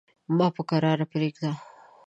ما په کراره پرېږده.